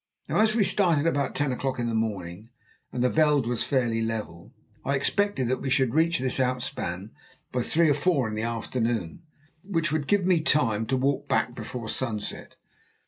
Now, as we started about ten o'clock in the morning and the veld was fairly level, I expected that we should reach this outspan by three or four in the afternoon, which would give me time to walk back before sunset.